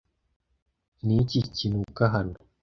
Ni iki kinuka hano?